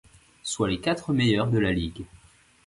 Soit les quatre meilleures de la ligue.